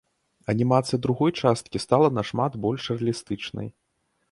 Анімацыя другой часткі стала нашмат больш рэалістычнай.